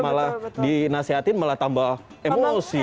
malah dinasehatin malah tambah emosi